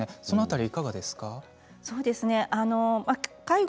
その辺りはいかがですか？